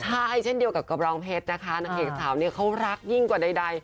ใช่เช่นเดียวกับกระรองเพชรนะคะนางเอกสาวเนี่ยเขารักยิ่งกว่าใด